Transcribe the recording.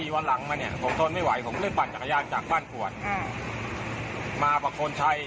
๓๔วันหลังมากผมทนไม่ไหวผมพันกาทั่วใกล้จากกล้านป่วนมาประคนใช้